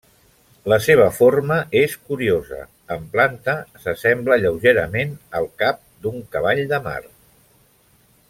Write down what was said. La seva forma és curiosa, en planta s'assembla lleugerament al cap d'un cavall de mar.